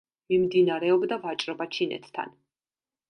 მიმდინარეობდა ვაჭრობა ჩინეთთან.